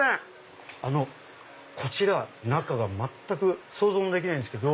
あのこちら中が全く想像もできないんですけど。